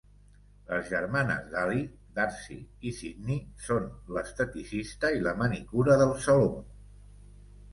Les germanes d'Allie, Darcy i Sydney, són l'esteticista i la manicura del saló.